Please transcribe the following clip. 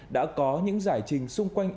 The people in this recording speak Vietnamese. đã có những giải trình xung quanh